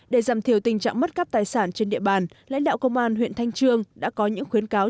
để giảm thiểu tình trạng mất cắp tài sản trên địa bàn lãnh đạo công an huyện thanh trương đã có những khuyến cáo